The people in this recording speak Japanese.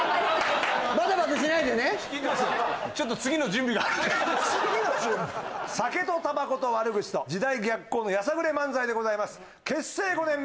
ちょっと・次の準備酒とタバコと悪口と時代逆行のやさぐれ漫才でございます結成５年目